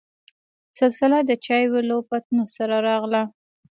سلسله دچايو له پتنوس سره راغله.